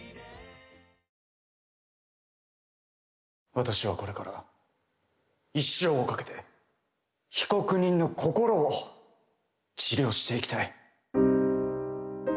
私はこれから一生をかけて被告人の心を治療していきたい。